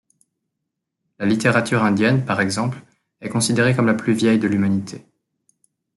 La littérature indienne, par exemple, est considérée comme la plus vieille de l'humanité.